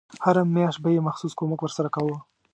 هره میاشت به یې مخصوص کمک ورسره کاوه.